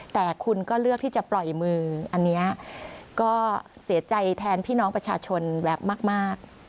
แต่คุณก็เลือกที่จะปล่อยมืออันนี้ก็เสียใจแทนพี่น้องประชาชนแวบมาก